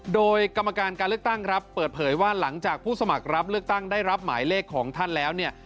โดยกรรมการการเลือกตั้งครับเปิดเผยว่าหลังจากผู้สมัครรับเลือกตั้งได้รับหมายเลขของท่านแล้วเนี่ย